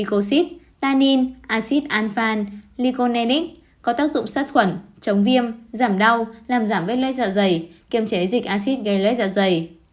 glucosid tannin acid anfan gluconilic có tác dụng sát khuẩn chống viêm giảm đau làm giảm vết luet dạ dày kiềm chế dịch acid gây luet dạ dày